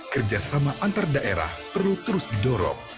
kerjasama antar daerah perlu terus didorong